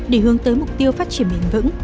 để hướng tới mục tiêu phát triển mềm vững